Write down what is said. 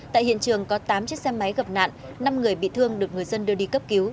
tại hiện trường có tám chiếc xe máy gặp nạn năm người bị thương được người dân đưa đi cấp cứu